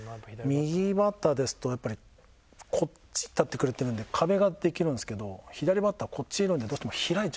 右バッターですとやっぱりこっちに立ってくれてるんで壁ができるんですけど左バッターはこっちにいるんでどうしても開いちゃうんですよね。